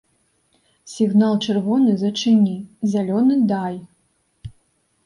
Сігнал чырвоны зачыні, зялёны дай!